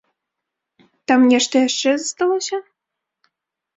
Там нешта яшчэ засталося?